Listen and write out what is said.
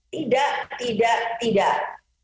tidak tidak tidak